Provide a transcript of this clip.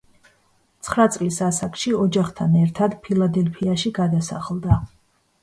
ცხრა წლის ასაკში, ოჯახთან ერთად ფილადელფიაში გადასახლდა.